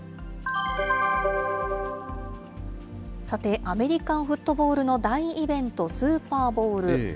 さて、アメリカンフットボールの大イベント、スーパーボウル。